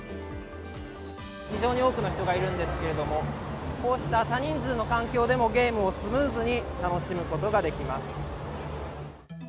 非常に多くの人がいるんですけれども、こうした多人数の環境でもゲームをスムーズに楽しむことができます。